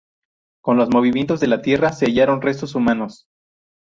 Con los movimientos de la tierra se hallaron restos humanos.